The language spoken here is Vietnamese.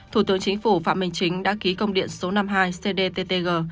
thủ tướng chính phủ phạm minh chính đã ký công điện số năm mươi hai cdttg